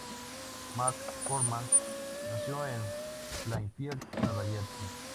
McCormack nació en Plainfield, Nueva Jersey.